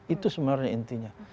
itu sebenarnya intinya